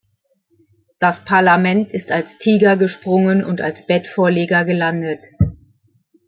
Das Parlament ist als Tiger gesprungen und als Bettvorleger gelandet.